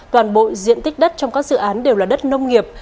toàn bộ diện tích đất trong các dự án đều là đất nông nghiệp